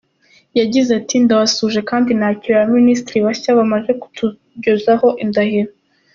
Yagize ati “Ndabasuhuje kandi nakiriye abaminisitiri bashya bamaze kutugezaho indahiro.